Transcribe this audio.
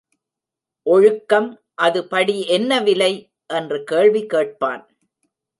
ஒழுக்கம் அது படி என்ன விலை? என்று கேள்வி கேட்பான்.